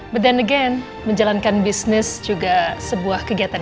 but and again menjalankan bisnis juga sebuah kegiatan